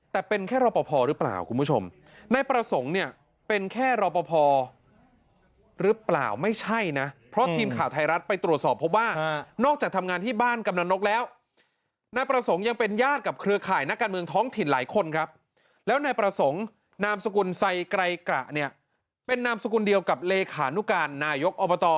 แต่เป็นแค่รอปภหรือเปล่าคุณผู้ชมนายประสงค์เนี่ยเป็นแค่รอปภหรือเปล่าไม่ใช่นะเพราะทีมข่าวไทยรัฐไปตรวจสอบพบว่านอกจากทำงานที่บ้านกำลังนกแล้วนายประสงค์ยังเป็นญาติกับเครือข่ายนักการเมืองท้องถิ่นหลายคนครับแล้วนายประสงค์นามสกุลไซไกรกระเนี่ยเป็นนามสกุลเดียวกับเลขานุการนายกอบต